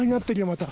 また。